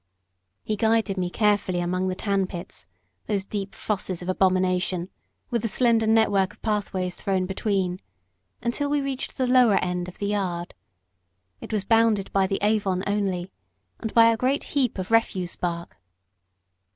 He guided me carefully among the tan pits those deep fosses of abomination, with a slender network of pathways thrown between until we reached the lower end of the yard. It was bounded by the Avon only, and by a great heap of refuse bark.